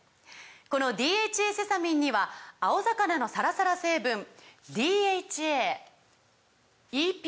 この「ＤＨＡセサミン」には青魚のサラサラ成分ＤＨＡＥＰＡ